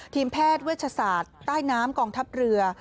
ทีมแพทย์เวชศาสตร์ใต้น้ำกองทัพเรือ